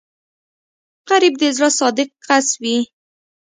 غریب د زړه صادق کس وي